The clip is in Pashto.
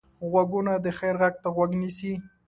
غوږونه د خیر غږ ته غوږ نیسي